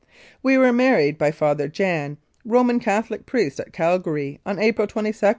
We were married by Father Jan, Roman Catholic priest, at Calgary, on April 22, 1908.